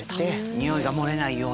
臭いが漏れないように。